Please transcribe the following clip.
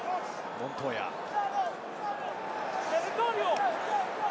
モントーヤです。